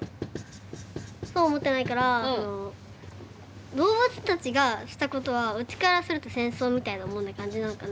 そうは思ってないからあの動物たちがしたことはうちからすると戦争みたいなもんって感じなのかな。